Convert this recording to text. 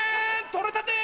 とれたて！